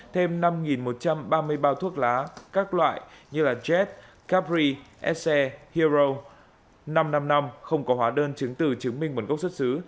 thêm năm một trăm ba mươi bao thuốc lá các loại như jet capri sc hero năm trăm năm mươi năm không có hóa đơn chứng từ chứng minh nguồn gốc xuất xứ